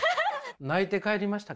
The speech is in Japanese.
泣いて帰りました。